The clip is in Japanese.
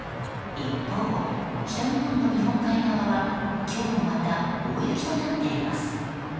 一方、北日本の日本海側は今日もまた大雪となっています。